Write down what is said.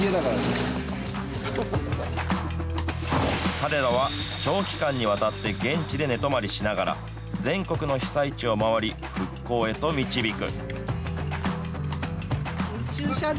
彼らは、長期間にわたって現地で寝泊まりしながら、全国の被災地を回り、復興へと導く。